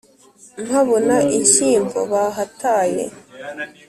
Mpabona inshyimbo bahataye